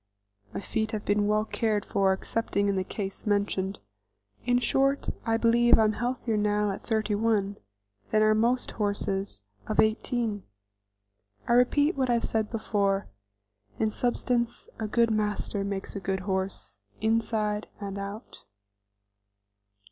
My feet have been well cared for excepting in the case mentioned. In short I believe I am healthier now at thirty one than are most horses of eighteen. I repeat what I have said before, in substance, a good master makes a good horse, inside and out.